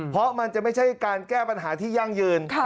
เพราะมันจะไม่ใช่การแก้ปัญหาที่ยั่งยืน